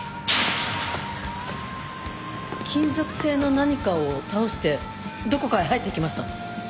金属製の何かを倒してどこかへ入って行きました。